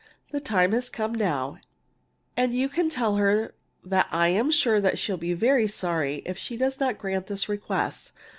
The time has come now, and you can tell her that I'm sure she'll be very sorry if she does not grant this request.